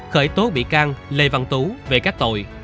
khởi tố bị can lê văn tú về các tội